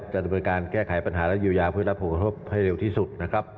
จะต้องเปิดการแก้ไขปัญหาและยิวหยาเพื่อรับผลพบภพให้เร็วที่สุด